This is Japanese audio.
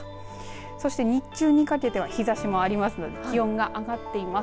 そして日中にかけては日ざしもありますので気温が上がっています。